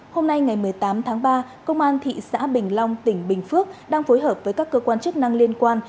hôm nay ngày một mươi tám tháng ba công an thị xã bình long tỉnh bình phước đang phối hợp với các cơ quan chức năng liên quan